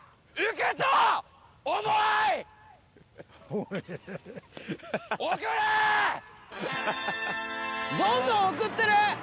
何や⁉どんどん送ってる！